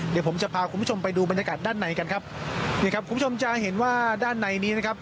เดี๋ยวผมจะพาคุณผู้ชมไปดูบรรยากาศด้านในกันครับนี่ครับคุณผู้ชมจะเห็นว่าด้านในนี้นะครับ